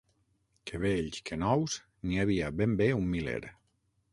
Que vells que nous, n'hi havia ben bé un miler.